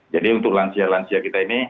jadi untuk lansia lansia kita ini